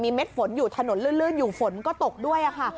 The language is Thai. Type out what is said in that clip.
เม็ดฝนอยู่ถนนลื่นอยู่ฝนก็ตกด้วยค่ะ